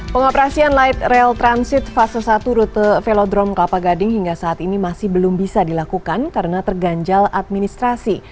pengoperasian light rail transit fase satu rute velodrome kelapa gading hingga saat ini masih belum bisa dilakukan karena terganjal administrasi